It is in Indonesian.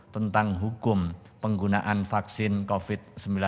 tentang hukum penggunaan vaksin covid sembilan belas